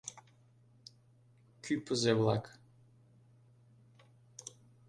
— Кӱпызӧ-влак!